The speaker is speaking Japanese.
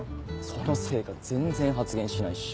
そのせいか全然発言しないし。